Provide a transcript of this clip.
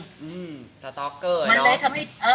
สต๊อกเกอร์ไอ้น้อง